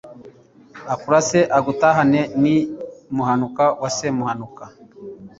akurase agutahane ni muhanuka wa semuhanuka.